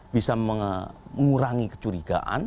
bisa mengurangi kecurigaan